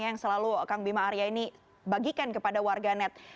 yang selalu kang bima arya ini bagikan kepada warganet